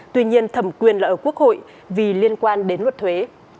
tuy nhiên thẩm quyền là ở quốc hội vì liên quan đến luật thuế